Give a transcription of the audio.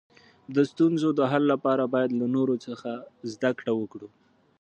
د ستونزو د حل لپاره باید له نورو څخه زده کړه وکړو.